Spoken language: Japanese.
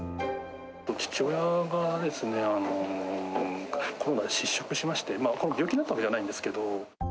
父親がですね、コロナで失職しまして、病気になったわけじゃないんですけど。